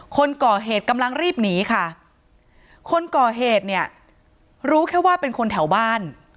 คนก่อเหตุกำลังรีบหนีค่ะคนก่อเหตุเนี่ยรู้แค่ว่าเป็นคนแถวบ้าน